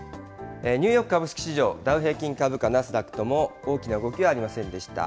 ニューヨーク株式市場、ダウ平均株価、ナスダックとも大きな動きはありませんでした。